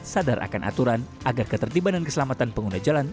sadar akan aturan agar ketertiban dan keselamatan pengguna jalan